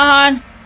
tidak tidak tidak